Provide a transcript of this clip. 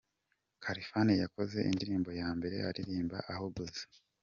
Khalfan yakoze indirimbo ya mbere aririmba ahogoza.